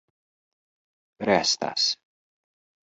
restas